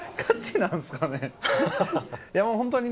そうなんですかね。